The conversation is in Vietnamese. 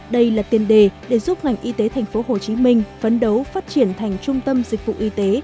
đây là tiền đề để giúp ngành y tế tp hcm phấn đấu phát triển thành trung tâm dịch vụ y tế